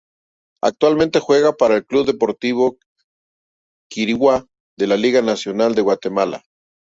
Actualmente juega para el club Deportivo Quiriguá de la Liga Nacional de Guatemala.